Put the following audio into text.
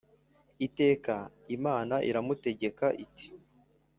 iteka Imana iramutegeka iti